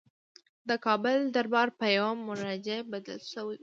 د کابل دربار په یوه مرجع بدل شوی وو.